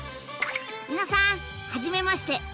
皆さんはじめまして！